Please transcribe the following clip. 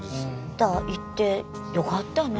だから行ってよかったね。